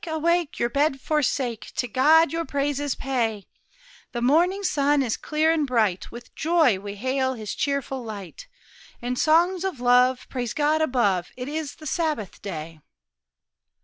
awake! your bed forsake, To God your praises pay; The morning sun is clear and bright; With joy we hail his cheerful light. In songs of love Praise God above It is the Sabbath day!"